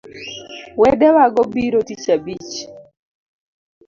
Wedewago biro tich abich